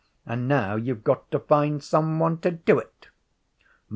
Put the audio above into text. And now you've got to find some one to do it.'